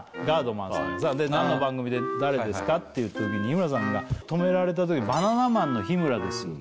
ガードマンさんにさ何の番組で誰ですか？っていう時に日村さんが止められた時に「バナナマンの日村です」